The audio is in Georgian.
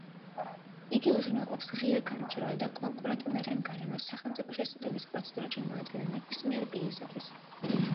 იგი უზრუნველყოფს ღია, გამჭვირვალე და კონკურენტუნარიან გარემოს სახელმწიფო შესყიდვების პროცედურებში მონაწილე ნებისმიერი პირისათვის.